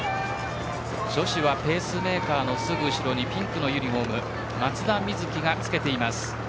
女子はペースメーカーのすぐ後ろにピンクのユニホーム松田瑞生がつけています。